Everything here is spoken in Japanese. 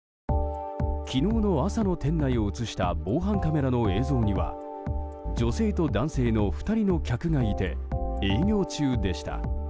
昨日の朝の店内を映した防犯カメラの映像には女性と男性の２人の客がいて営業中でした。